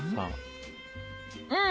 うん！